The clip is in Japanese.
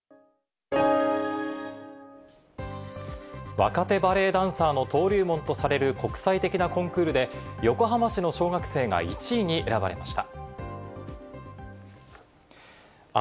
若手バレエダンサーの登竜門とされる国際的なコンクールで、横浜市の小学生が１位に選ばれました。